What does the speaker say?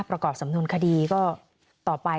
ประกอบสำนวนคดีก็ต่อไป